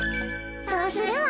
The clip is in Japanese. そうするわ。